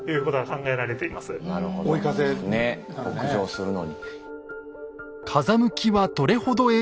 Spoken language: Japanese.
ねっ北上するのに。